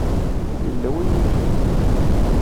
Yella wayen ay ineflen.